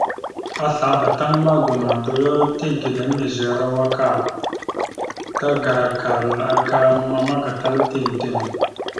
Aslabá tan ma gomohəndoɗo tigəɗá emez arawak aak, tagarakal aka mamma gatala tiŋ tiŋ.